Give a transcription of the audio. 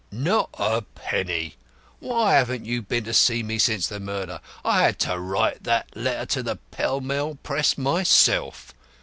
"Not a penny. Why haven't you been to see me since the murder? I had to write that letter to the Pell Mell Press myself.